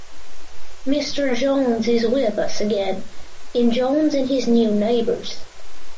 Mister Jones is with us again in Jones And His New Neighbors.